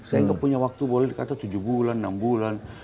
saya nggak punya waktu boleh dikata tujuh bulan enam bulan